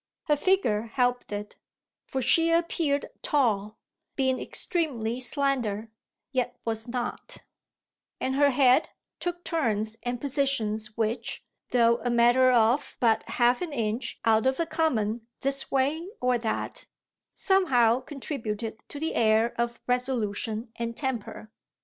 Her figure helped it, for she appeared tall being extremely slender yet was not; and her head took turns and positions which, though a matter of but half an inch out of the common this way or that, somehow contributed to the air of resolution and temper.